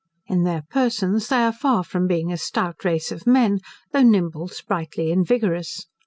In their persons, they are far from being a stout race of men, though nimble, sprightly, and vigorous.